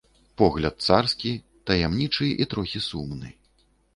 Погляд царскі, таямнічы і трохі сумны.